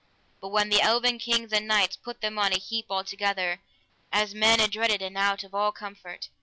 And then the eleven kings and knights put them on a heap all together, as men adread and out of all comfort.